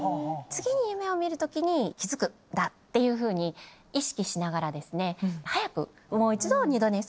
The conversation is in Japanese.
次に夢を見る時に気付くんだっていうふうに意識しながらもう一度。